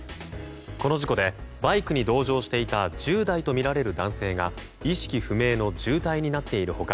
この事故でバイクに同乗していた１０代とみられる男性が意識不明の重体になっている他